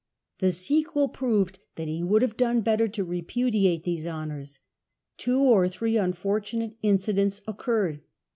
The sequel proved that he would have done better to repudiate these honours. Two or three unfortunate incidents occurred.